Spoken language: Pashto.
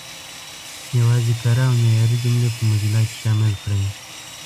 یوازې کره او معیاري جملې په موزیلا کې شامل کړئ.